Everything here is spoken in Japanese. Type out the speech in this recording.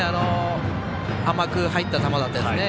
甘く入った球でしたね。